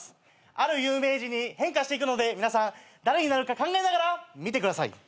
ある有名人に変化していくので皆さん誰になるか考えながら見てください。